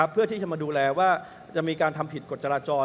เพื่อที่จะมาดูแลว่าจะมีการทำผิดกฎจราจร